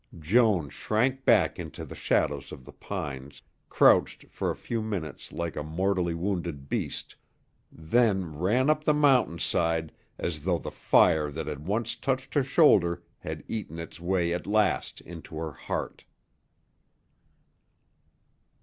Joan shrank back into the shadows of the pines, crouched for a few minutes like a mortally wounded beast, then ran up the mountain side as though the fire that had once touched her shoulder had eaten its way at last into her heart.